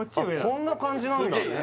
こんな感じなんだ